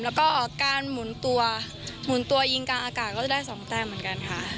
แล้วก็การหมุนตัวหมุนตัวยิงกลางอากาศก็จะได้๒แต้มเหมือนกันค่ะ